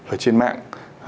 ở trên mạng